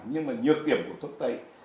nhưng mà nhược điểm của thuốc tây